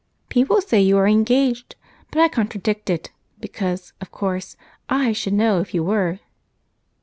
"People say you are engaged but I contradict it, because, of course, I should know if you were."